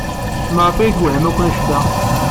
Maɣef ay tewhem akk anect-a?